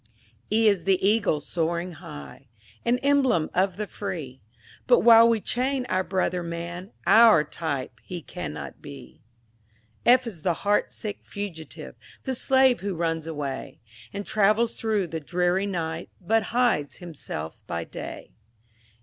E is the Eagle, soaring high; An emblem of the free; But while we chain our brother man, Our type he cannot be. F is the heart sick Fugitive, The slave who runs away, And travels through the dreary night, But hides himself by day.